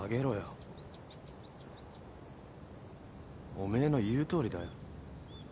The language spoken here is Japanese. おめえの言うとおりだよ。